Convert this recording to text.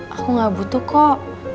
aku gak butuh kok